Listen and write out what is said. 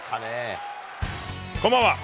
こんばんは。